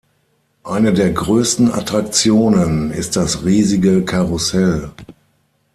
Eine der größten Attraktionen ist das riesige Karussell.